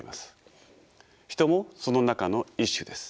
人もその中の１種です。